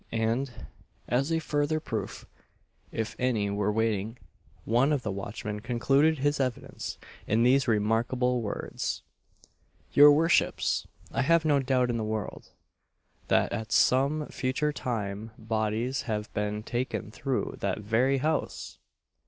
And, as a further proof, if any were wanting, one of the watchmen concluded his evidence in these remarkable words: "Your worships, I have no doubt in the world, that at some future time bodies have been taken through that very house!"